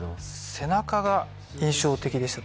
背中が印象的でした